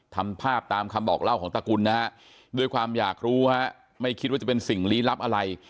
ทำภาพตามคำบอกเล่าของตระกุลนะฮะด้วยความอยากรู้ฮะไม่คิดว่าจะเป็นสิ่งลี้ลับอะไร